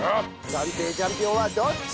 暫定チャンピオンはどっち！？